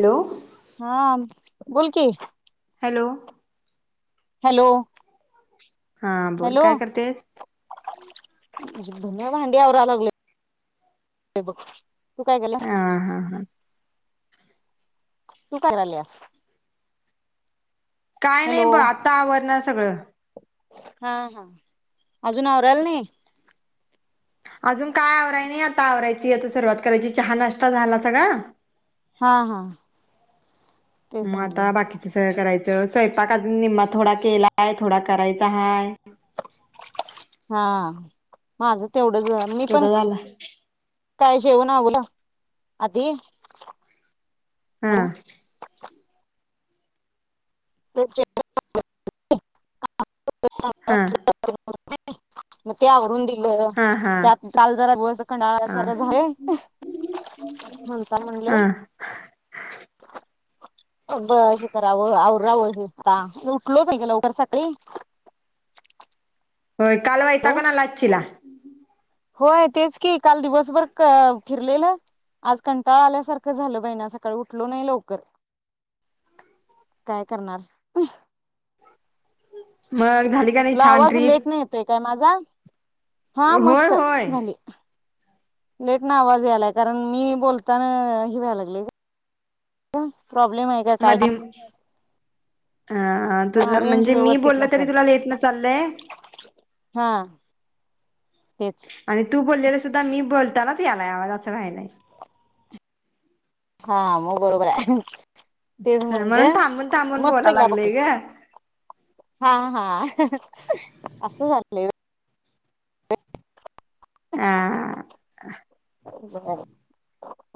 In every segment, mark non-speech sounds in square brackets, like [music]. Hello हा बोलकी hello hello हा बोल हॅलो काय करते? धून भांडी आवरा लागलोय बघ काय केल्यास हा हा हा तू करायल्यास काय नाही हॅलो ब आता आवरनार सगळं [inaudible] हा हा अजून आवरायल नाही? अजून काय आवराय नाही आता आवरायची आता सुरुवात करायची चहा नाश्ता झाला सगळा हा हा तेच मग म्हणलं आता बाकीच सगळं करायचं तर स्वयंपाक अजून निम्मा थोडा केलाय थोडा करायचा आहे हा माझं तेवढंच मी पण तुझा झाला काय जेवण अवल आधी हा हॅलो [unintelligible] हा म ते आवरुन दि ल हा हा त्यात काल जरा दिवस कंडाला हा आल्यासारख झालय म्हणता म्हणलं हा ब हे करावं आवरावं हे काम उठलोच नाय ग लवकर सकाळी होय काल वैताकून आला आचिला होय तेच कि काल दिवसभर क फिरलेलं आज कंटाळा आल्यासारखं झालं बाई ना सकाळी उठलो नाही लवकर काय करणार मग झाली का नाही तुला छान आवाज ट्रीप लेट न येतोय काय मा झा हा होय मस्त होय झाली. लेट न आवाज यालाय कारण मी बोलताना हि व्हायला लागले ग प्रॉब्लेम आहे का काय ह तुझ हा रेंज म्हणजे मी व्यवस्थित बोललं तरी नसेल तुला लेट न चाललंय हा तेच आणि तू बोललेल सुद्धा मी बोल तानाच यांनाय अस व्हयलाय हा मग बरोबर हाय हम्म म्हणून थांबून थांबून मस्त बोला गेला बघ लागलय ग हा हा असं झालंय [unintelligible] आ [unintelligible]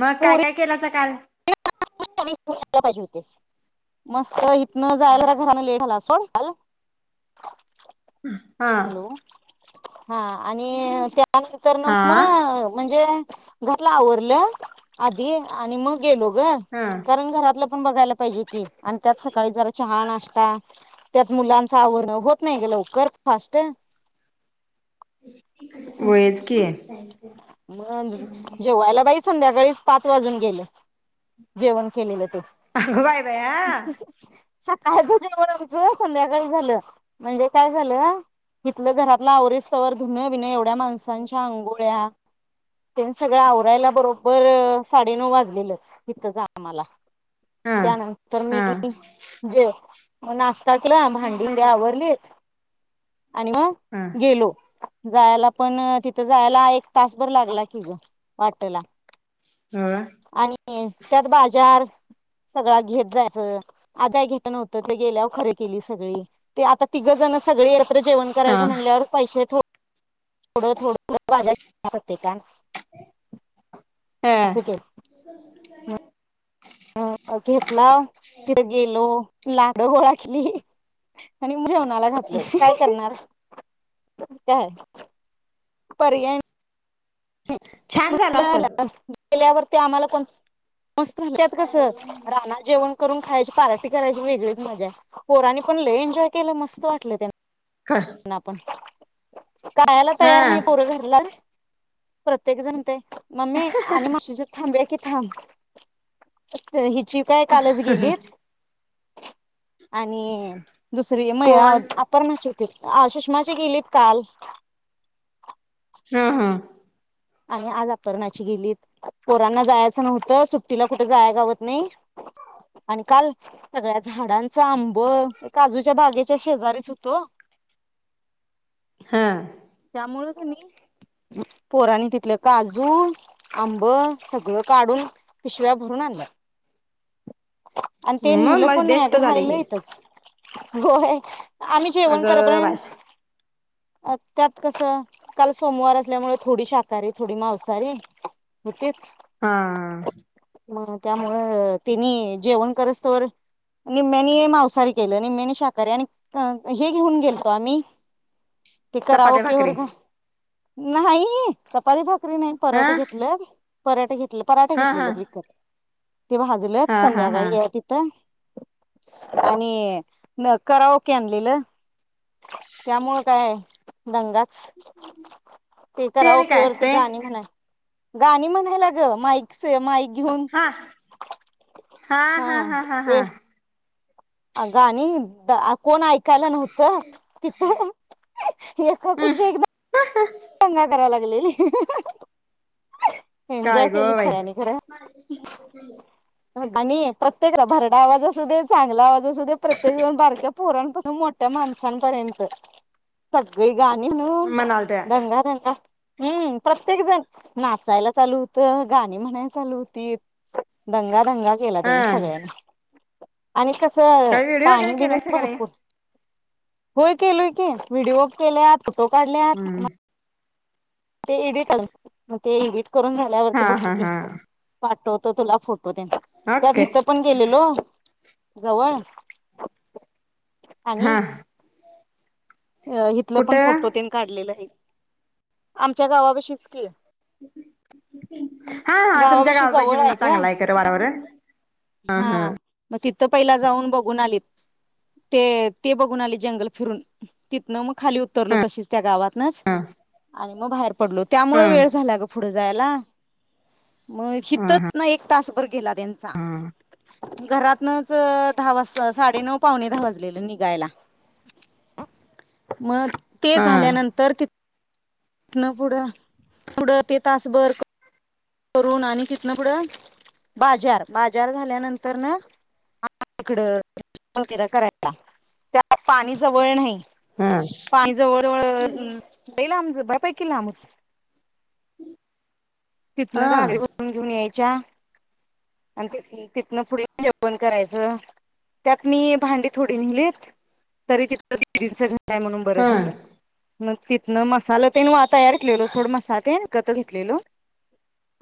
मग काय पुरी काय केलासा काल [inaudible] पाहिजे होतीस मस्त न जायला [inaudible] लेट झालास होय [unintelligible] हा [inaudible] हा आणि त्यानंतर ना हा मग म्हणजे घरातलं आवरलं आधी आणि मग गेलो ग हा कारण घरातल पण बघायला पाहिजे की आण त्यात सकाळी जरा चहा नाश्ता त्यात मुलांच आवरण होत नाही गं लवकर फास्ट होयच की मग जेवयला बाई संध्याकाळीच पाच वाजून गेल जेवण केलेल अगो बाय बाया सकाळच जेवण आमचं संध्याकाळी झालं म्हणजे काय झालं इथलं घरातल आवरीस स्तवर धुन बिन एव या माणसांच्या आंघोळ्या त्यां सगळं आवरायला बरोबर साडेनऊ वाजलेलंच इथंच आम्हाला हा त्यानंतर मी हा जे [unintelligible] टाकीला भांडीबिंडी आवरली आणि मग हा गेलो जायला पण तिथं जायला एक तासभर लागला की ग वाटेला हो आणि त्यात बाजार सगळा घेत जायचं [unintelligible] घेत नव्हतं ते गेल्यावर खरे केली सगळी ते आता तिघं जण सगळे जेवण हा करायं म्हटल्यावर पैशे थो थोडं थोड [unintelligible] [unintelligible] ह [unintelligible] [unintelligible] घेतला तिथ गेलो लाडू गोळा लिही आणि जेवणाला घातलय काय करणार [unintelligible] पर्याय छान झालं असल [unintelligible] केल्यावरती आम्हाला कोण मस्त झालंय त्यात कस रानात जेवण करून खायची पार्टी करायची वेगळीच मजा पोरानी पण लई एन्जॉय केलं मस्त वाटले त्यां हा नं आपण [unintelligible] तयार नाही पोर घरला प्रत्येक जण ते मम्मी आणि म्हशीचं थांबूया की थांब [unintelligible] चिऊ काय कालच गेलीत आणि दुसरी कोण [unintelligible] अपरणाची तेच सुषमाची गेलीत काल हा हा आणि आज अपरणाची गेलीत पोरांना जायचं नव्हतं सुट्टीला कुठ जायाय गावत नाही आणि काल सगळ्या झाडांचा आंब काजूच्या बागेच्या शेजारीच होतो हा. कुणी पोरानी तिथलं काजू आंब सगळं काढून पिशव्या भरून आणल्या. आणि ते मग नेलं मग पण नाही बेस्ट अगं झाले राहील की इथचं होय. आम्ही जेवण अगं बाय करपर्यंत आता कस काल सोमवार असल्यामुळ थोडी शाकाहारी थोडी मांसाहारी होतीच हा म त्यामुळ तिनी जेवण करसतोवर निम्म्यानी मांसाहारी केलं निम्म्यानी शाकाहारी आणि हे घेऊन गेलतो आम्ही ते करा व चपात्या की भाकरी वर काय? नाही च् तरी भाकरी नाही हा पराठे घेतलं. पराठे घेत ते पराठे हा हा घेतलेले विकत ते भाजलंत हा हा हा संध्याकाळी आहे तिथं आणि न करावक आणलेलं त्यामुळ काय दंगाच ते आणि करावके काय वर ती असते गाणी म्हणा गाणी म्हणायला ग माईकच माईक घेऊन हा हा हा हा हा हा अ गाणी ग कोण ऐकायला नव्हत कि हम् एकापेक्षा एकदा चागला दंगा कराया लागली काय गो बाई? आणि प्रत्येकला भरडा आवाज असू दे चांगला आवाज असू दे प्रत्येकजण बारक्या पोरांपासून मोठ्या माणसांपर्यंत सगळी गाणी म्हणून म्हणाल त्या दंगा दंगा हम्म प्रत्येक जण नाचायला चालू होतं गाणी म्हणायला चालू होती दंगा दंगा केला हा त्यानी सगळ्यांनी आणि कसं काही व्हिडिओ पाणी वगैरे बिणी केलायच का नाही भरपूर होय केलोय की विडियो केले फोटो काढल्यात हम्म ते ते इडेड करुन ते इडेट करून करून झाल्यावरती हा बघते हा की हा पाठवत तुला फोटो तो त्याच्या त त्या ओके इथ पण गेलेलो जवळ हा आणि अ हथलं पण कुठं फोटो त्यांनी काढलेला आहे आमच्या गावा पाशिचकी [unintelligible] हा तुमच्या गावापशी गावापाशी जवळ पण आहे का चांगला खरं वातावरण हा मग तिथं पहिला जाऊन बघून आलीत. ते ते बघून आली जंगल फिरून तिथनं मग खाली उतरलो तशीच त्या गावातनच आणि मग बाहेर पडलो हा त्यामुळे वेळ झाल्या पुढे जायला मग हितच हा ना एक तास र गेला त्यांचा घरातनच दहा वाजता साडेनऊ- पावणे दहा वाजलेलं निघायला मग ते हा झाल्यानंतर न पुढं पुढं ते तासभर करून आणि तिथन पुढं बाजार बाजार झाल्यानंतर ना इकड तिकड करायला त्यात पाणी जवळ नाही हा पाणी जवळजवळ लय लांब बऱ्यापैकी लांब तिथन हा झारे भरून घेऊन यायचं. चा तिथनं पुढ जेवण करायचं त्यात मी भांडी थोडी नेलीत, तरी तिथ दिदीच घर काय म्हणून हा बरं हा झालं मग तिथनं मसाल तेण वा तयार केलेलो सोड मसा ते गत घेतलेलो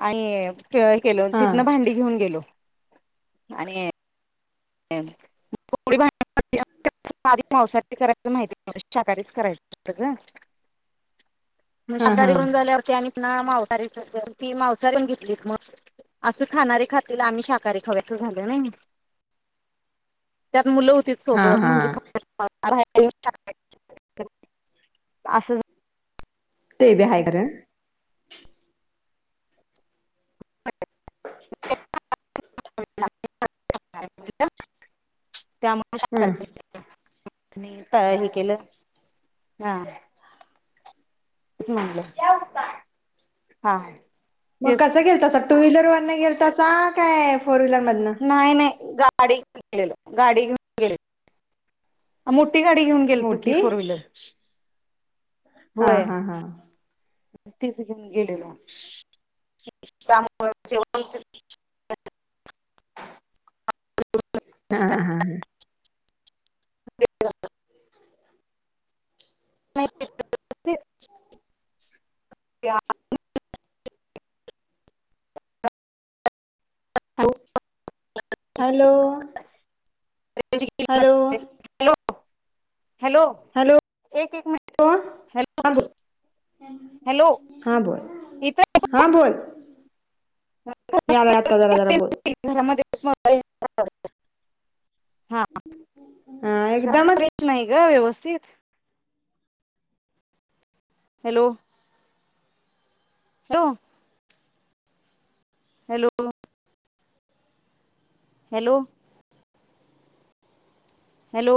आणि केलं हा तिथं भांडी घेऊन गेलो आणि [inaudible] पावसा करायचं माहिती शाकाारीच करायचं असत ग मग हा हा शाकाहारी होऊन झाल्यावर आणि ते पुन्हा आणि मांसाहारीच ती मांसाारी पण घेतलीत मग असं खाणारे खातली आम्ही शाकाहारी खावयचं झाल नय मुल होती हा सोबत हा म्हणजे [inaudible] असं ते बी हाय बरं [unintelligible] त्या ह [unintelligible] हे केलं हा अस म्हणलं हा म तेच कसं गेलतसा टू व्हीलर वरण गेलतसा होय नाय नाय गाडी घेऊन गेलोल गाडी घेऊन गेलोल अ् मोठ टी गाडी घेऊन गेलतो की मोठी फोर व्हीलर हा हा हा तिच घेऊन गेलेलो त्यामुळे [unintelligible] [unintelligible] हा हा [unintelligible] [unintelligible] हॅलो हॅलो [unintelligible] हॅलो हॅलो एक एक मिनिट ब हॅलो हा बोल हॅलो हा बोल इथ हा बोल यालाय आत्ता जरा जरा बोल [unintelligible] हा हा एकदमच रेंज नाही ग व्यवस्थित हॅलो [unintelligible] हॅलो हॅलो हॅलो